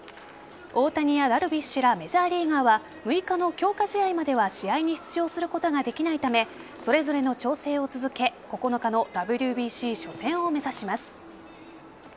大谷やダルビッシュらメジャーリーガーは６日の強化試合までは試合に出場することができないためそれぞれの調整を続け９日のＷＢＣ初戦を目指します。